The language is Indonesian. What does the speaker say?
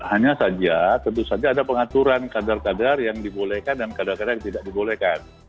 hanya saja tentu saja ada pengaturan kadar kadar yang dibolehkan dan kadang kadang tidak dibolehkan